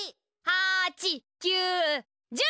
８９１０！